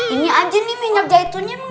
ini aja nih minyak jahitunnya emang